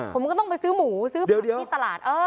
ผมก็ต้องไปซื้อหมูซื้อผลที่ตลาด